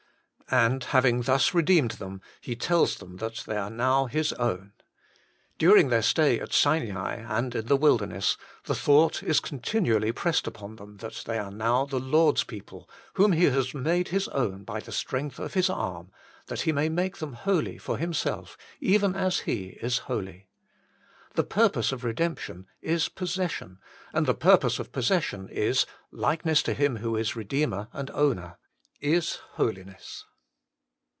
And having thus redeemed them, He tells them that they are now His own. During their stay at Sinai and in the wilderness, the thought is continually HOLINESS AND REDEMPTION. 49 pressed upon them that they are now the Lord's people, whom He has made His own by the strength of His arm, that He may make them holy for Him self, even as He is holy. The purpose of redemp tion is Possession, and the purpose of Possession is likeness to Him who is Kedeemer and Owner, is Holiness.